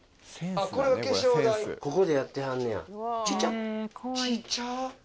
ここでやってはんねや。